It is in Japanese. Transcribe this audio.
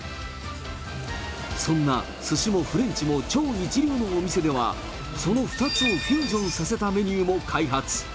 そんなすしもフレンチも超一流のお店では、その２つをフュージョンさせたメニューを開発。